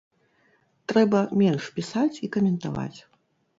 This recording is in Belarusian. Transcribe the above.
Трэба менш пісаць і каментаваць.